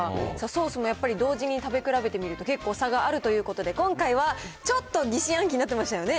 ソースもやっぱり同時に食べ比べてみると、結構差があるということで、今回は、ちょっと疑心暗鬼になってましたよね。